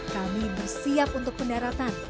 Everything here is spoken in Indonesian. kami bersiap untuk pendaratan